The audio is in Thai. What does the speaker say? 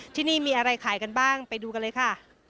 ที่นี่มีอะไรขายกันบ้างไปดูกันเลยค่ะ